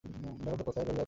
দেখো তো কোথায় লইয়া যাই।